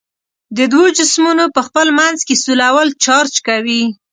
د دوو جسمونو په خپل منځ کې سولول چارج کوي.